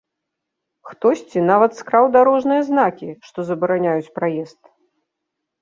Хтосьці нават скраў дарожныя знакі, што забараняюць праезд.